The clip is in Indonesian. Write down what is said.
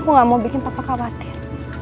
aku gak mau bikin papa khawatir